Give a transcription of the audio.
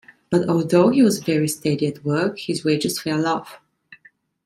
But although he was very steady at work, his wages fell off.